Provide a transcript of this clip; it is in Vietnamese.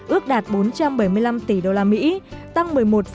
ước đạt bốn trăm bảy mươi năm tỷ usd tăng một mươi một sáu